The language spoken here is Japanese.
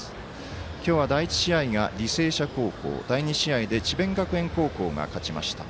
今日は第１試合が履正社高校第２試合で智弁学園高校が勝ちました。